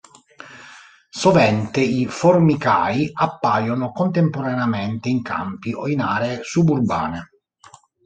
Sovente i formicai appaiono contemporaneamente in campi o in aree suburbane.